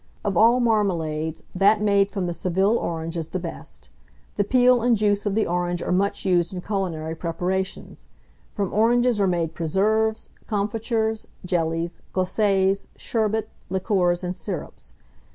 Of all marmalades, that made from the Seville orange is the best. The peel and juice of the orange are much used in culinary preparations. From oranges are made preserves, comfitures, jellies, glacés, sherbet, liqueurs, and syrups.